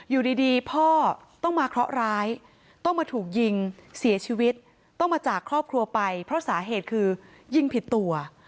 อยู่ดีพ่อต้องมาเคราะหร้ายต้องมาถูกยิงเสียชีวิตต้องมาจากครอบครัวไปเพราะสาเหตุคือยิงผิดตัว